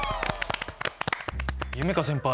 夢叶先輩